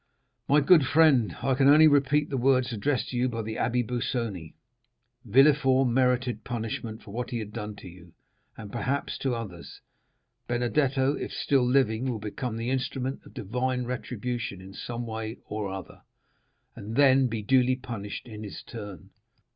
"My good friend, I can only repeat the words addressed to you by the Abbé Busoni. Villefort merited punishment for what he had done to you, and, perhaps, to others. Benedetto, if still living, will become the instrument of divine retribution in some way or other, and then be duly punished in his turn.